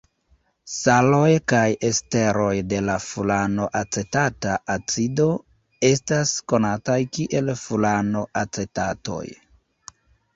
Saloj kaj esteroj de la furanoacetata acido estas konataj kiel furanoacetatoj.